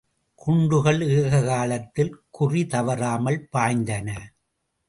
குண்டுகள் ஏக காலத்தில் குறிதவறாமல் பாய்ந்தன.